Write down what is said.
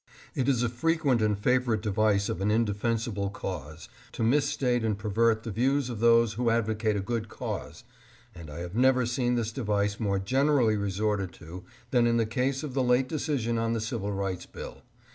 It is a frequent and favorite device of an indefensible cause to misstate and pervert the views of those who advocate a good cause, and I have never seen this device more generally resorted to than in the case of the late decision on the Civil Rights Bill.